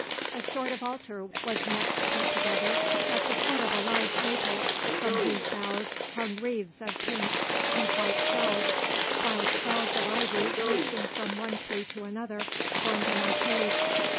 A sort of altar was next put together at the foot of a large maple from whose boughs hung wreaths of pink and white shells, while trails of ivy reaching from one tree to another formed an arcade.